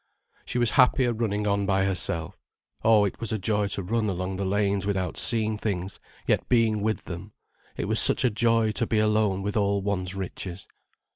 She was happier running on by herself. Oh, it was a joy to run along the lanes without seeing things, yet being with them. It was such a joy to be alone with all one's riches.